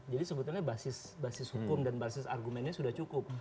jadi sebetulnya basis hukum dan basis argumennya sudah cukup